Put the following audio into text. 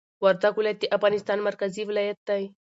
وردګ ولایت د افغانستان مرکزي ولایت دي